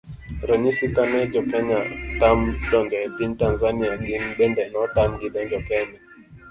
Ranyisi, kane jokenya otam donjo e piny Tazania gin bende notam gi donjo Kenya